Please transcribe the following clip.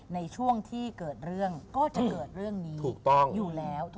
ในช่วงที่เกิดเรื่องก็จะเกิดเรื่องนี้ถูกต้องอยู่แล้ว